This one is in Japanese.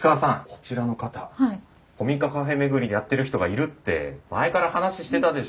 こちらの方古民家カフェ巡りやってる人がいるって前から話してたでしょ。